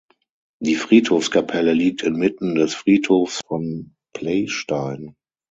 Die Friedhofskapelle liegt inmitten des Friedhofs von Pleystein.